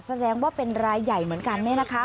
แสดงว่าเป็นรายใหญ่เหมือนกัน